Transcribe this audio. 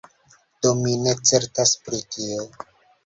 Do mi ne certas pri tio.